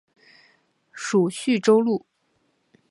属叙州路。